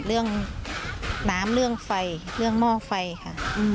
เรื่องน้ำเรื่องไฟเรื่องหม้อไฟค่ะ